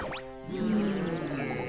うん。